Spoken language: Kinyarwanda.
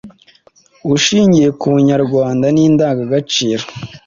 ushingiye ku bunyarwanda n indangagaciro